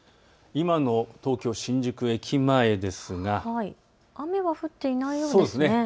今の東京新宿駅前ですが雨は降っていないようですね。